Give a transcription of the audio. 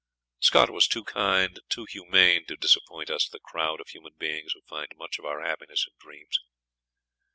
Scott was too kind, too humane, to disappoint us, the crowd of human beings who find much of our happiness in dreams.